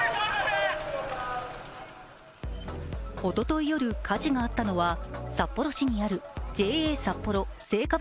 おととい夜火事があったのは、札幌市にあるＪＡさっぽろ青果物